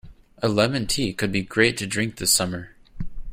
A lemon tea could be great to drink this summer.